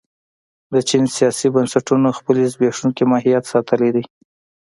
د چین سیاسي بنسټونو خپل زبېښونکی ماهیت ساتلی دی.